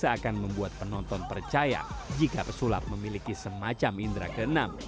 seakan membuat penonton percaya jika pesulap memiliki semacam indera ke enam